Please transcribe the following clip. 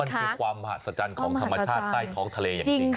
มันคือความมหาศจรรย์ของธรรมชาติใต้ท้องทะเลอย่างจริง